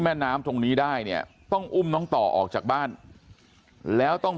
แม่น้ำตรงนี้ได้เนี่ยต้องอุ้มน้องต่อออกจากบ้านแล้วต้อง